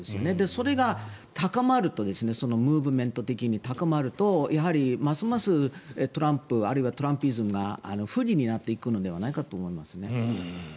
それが高まるとムーブメント的に高まるとますますトランプあるいはトランプイズムが不利になっていくのではないかと思いますね。